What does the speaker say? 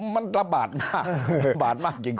มันระบาดมากระบาดมากจริง